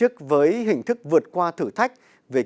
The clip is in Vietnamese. một số khu vực đã lắp camera